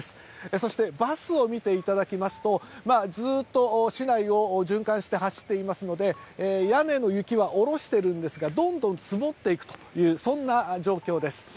そしてバスを見ていただきますとずっと市内を巡回して走っていますので屋根の雪は下ろしているんですがどんどん積もっていくというそんな状況です。